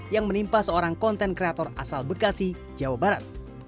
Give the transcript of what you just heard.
yang menimpa seorang konten kreator asal bekasi jawa barat